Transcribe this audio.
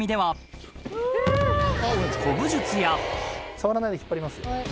触らないで引っ張りますよ。